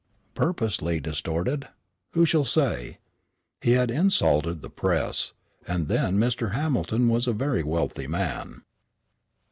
Purposely distorted? Who shall say? He had insulted the press; and then Mr. Hamilton was a very wealthy man.